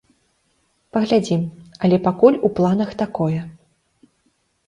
Паглядзім, але пакуль у планах такое.